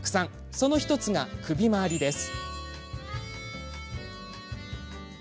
その１つが首周りです。